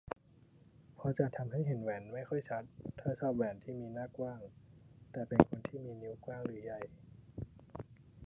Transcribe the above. เพราะจะทำให้เห็นแหวนไม่ค่อยชัด ถ้าชอบแหวนที่มีหน้ากว้าง แต่เป็นคนที่มีนิ้วกว้างหรือใหญ่